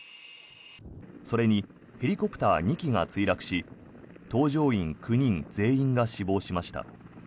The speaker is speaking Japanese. それにヘリコプター２機が墜落し搭乗員９人全員が死亡しました。